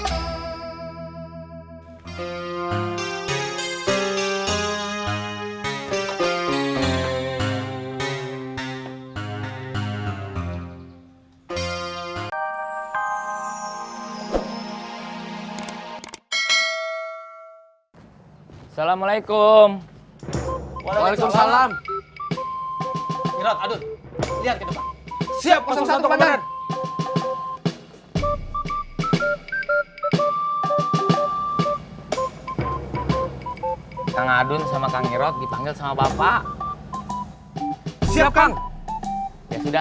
adun adun siap siap adun sama kang irot dipanggil sama bapak siapkan sudah